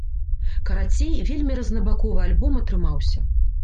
Карацей, вельмі рознабаковы альбом атрымаўся.